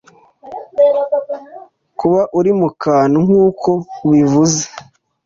kuba uri mu kantu, nk'uko ubivuze? ”